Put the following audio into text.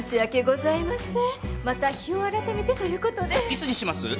いつにします？